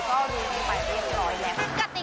ก็รู้กันไปเรียบร้อยแล้ว